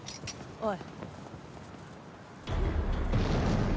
おい！